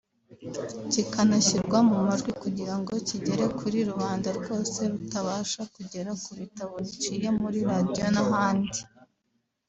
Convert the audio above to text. kikanashyirwa mu majwi kugira ngo kigere kuri rubanda rwose rutabasha kugera ku bitabo biciye muri radio n’ahandi